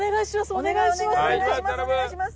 お願いします